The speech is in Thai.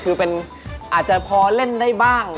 คืออาจจะพอเล่นได้บ้าง